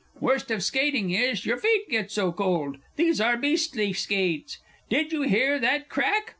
Worst of skating is, your feet get so cold!... These are beastly skates. Did you hear that crack?